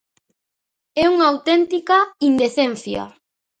¡É unha auténtica indecencia!